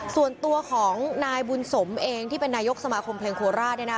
ส่วนตัวของนายบุญสมเองที่เป็นนายกสมาคมเพลงโคราชเนี่ยนะ